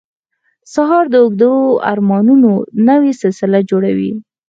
سهار د اوږدو ارمانونو نوې سلسله جوړوي.